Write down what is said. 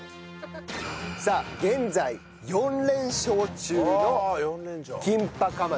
さあ現在４連勝中のキンパ釜飯。